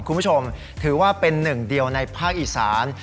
คุณผู้ชมถือว่าเป็นหนึ่งเดียวในภาคอีสาน